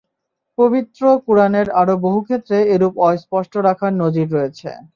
পবিত্র কুরআনের আরো বহু ক্ষেত্রে এরূপ অস্পষ্ট রাখার নজীর রয়েছে।